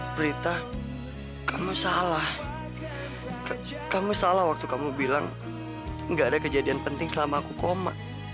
berita kamu salah kamu salah waktu kamu bilang nggak ada kejadian penting selama aku koma